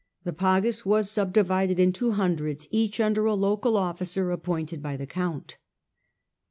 The pag us was subdivided into hundreds, each under a local officer appointed by the count.